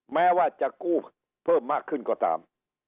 แม้ว่าจะกู้เพิ่มมากขึ้นก็ตาม